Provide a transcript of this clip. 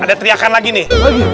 ada teriakan lagi nih